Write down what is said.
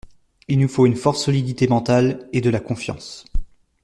Il nous faut une forte solidité mentale, et de la confiance.